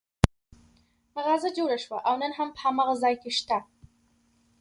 مغازه جوړه شوه او نن هم په هماغه ځای کې شته.